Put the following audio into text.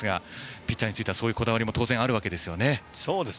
ピッチャーについてはそういうこだわりも当然あるわけですね。